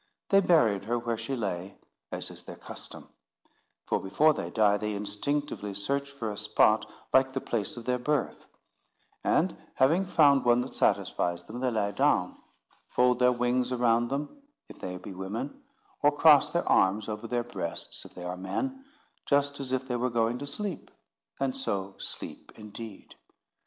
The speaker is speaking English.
They buried her where she lay, as is their custom; for, before they die, they instinctively search for a spot like the place of their birth, and having found one that satisfies them, they lie down, fold their wings around them, if they be women, or cross their arms over their breasts, if they are men, just as if they were going to sleep; and so sleep indeed.